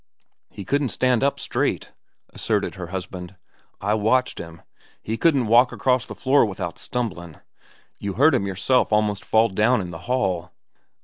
"He couldn't stand up straight," asserted her husband. "I watched him. He couldn't walk across the floor without stumblin'. You heard 'm yourself almost fall down in the hall."